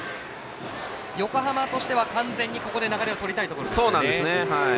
横浜としては、ここで完全に流れをとりたいところですね。